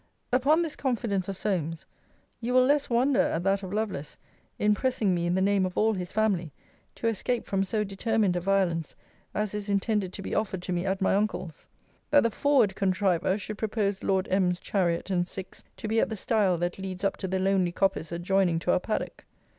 Upon this confidence of Solmes, you will less wonder at that of Lovelace, 'in pressing me in the name of all his family, to escape from so determined a violence as is intended to be offered to me at my uncle's: that the forward contriver should propose Lord M.'s chariot and six to be at the stile that leads up to the lonely coppice adjoining to our paddock.